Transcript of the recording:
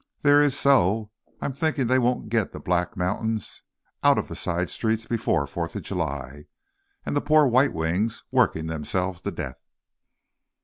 "There is so! I'm thinking they won't get the black mountains out of the side streets before Fourth of July, and the poor White Wings working themselves to death!"